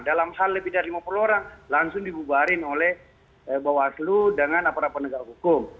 dalam hal lebih dari lima puluh orang langsung dibubarin oleh bawaslu dengan aparat penegak hukum